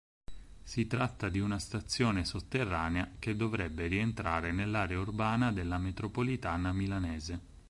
Si tratta di una stazione sotterranea che dovrebbe rientrare nell'area urbana della metropolitana milanese.